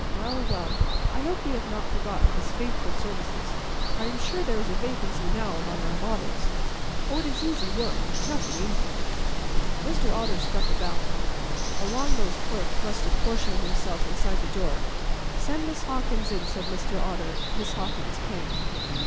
Well, well. I hope we have not forgotten his faithful services. I am sure there is a vacancy now among our models. Oh, it is easy work—nothing easier." Mr. Otter struck a bell. A long nosed clerk thrust a portion of himself inside the door. "Send Miss Hawkins in," said Mr. Otter. Miss Hawkins came.